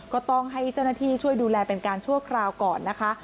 ก็ต้องให้เจ้าหน้าที่ช่วยดูแลเป็นการชั่วคราวก่อนนะคะ